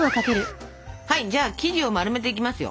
じゃあ生地を丸めていきますよ。